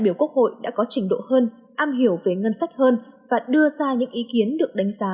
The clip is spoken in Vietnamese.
biểu quốc hội đã có trình độ hơn am hiểu về ngân sách hơn và đưa ra những ý kiến được đánh giá